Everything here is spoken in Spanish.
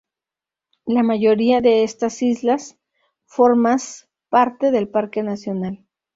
La mayoría de estas islas formas parte del parque nacional.